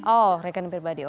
oh rekening pribadi oke